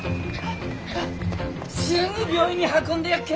すぐ病院に運んでやっけんね。